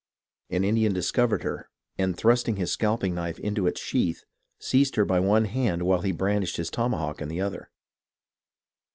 An Indian discovered her, and, thrusting his scalping knife into its sheath, seized her by one hand while he brandished his tomahawk in the other.